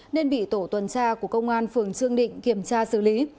nên bị tổ tuần tra của công an phường trương định kiểm tra xử lý